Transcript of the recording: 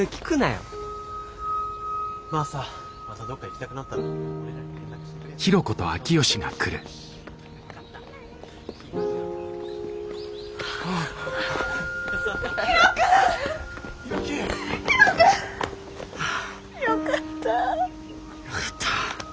よかった。